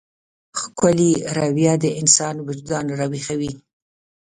ښکلې رويه د انسان وجدان راويښوي.